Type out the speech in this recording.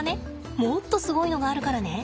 もっとすごいのがあるからね。